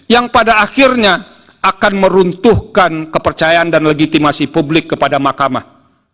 yang pada akhirnya akan meruntuhkan kepercayaan dan legitimasi publik kepada makamah